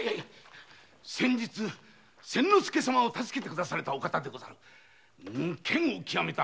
先日千之助様を助けてくだされたお方で剣を究めた御仁です。